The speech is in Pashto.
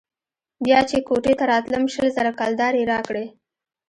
بيا چې كوټې ته راتلم شل زره كلدارې يې راکړې.